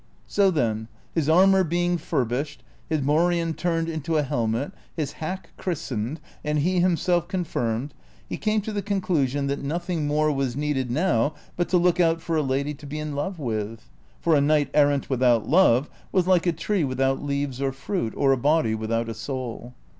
So then, his armor being furbished, his morion turned into a helmet, his hack christened, and he himself confirmed, he came to the conclusion that nothing more was needed now but to look out for a lady to be in love with ; for a knight errant Avithout love was like a tree without leaves or fndt, or a body without a soul.